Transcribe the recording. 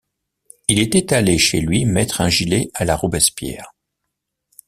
Il était allé chez lui mettre un gilet à la Robespierre.